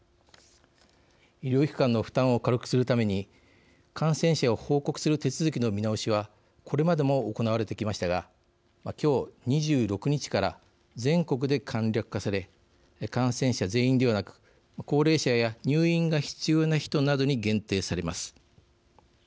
医療機関の負担を軽くするために感染者を報告する手続きの見直しはこれまでも行われてきましたが今日、２６日から全国で簡略化され感染者全員ではなく高齢者や入院が必要な人などに限定されます。